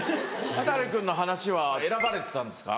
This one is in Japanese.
中君の話は選ばれてたんですか？